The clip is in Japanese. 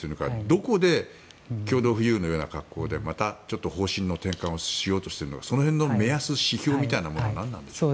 どこで共同富裕のような格好でまた方針の転換をしようとしているのかその辺の目安指標みたいなものは何なんですか。